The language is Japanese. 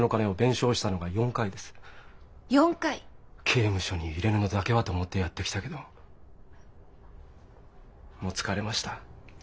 「刑務所に入れるのだけは」と思ってやってきたけどもう疲れました。